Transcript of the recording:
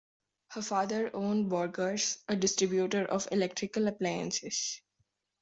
Her father owned Borger's, a distributor of electrical appliances.